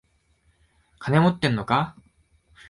金持ってんのか？